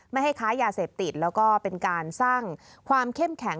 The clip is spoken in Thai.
ไม่ให้ค้ายาเสพติดแล้วก็เป็นการสร้างความเข้มแข็ง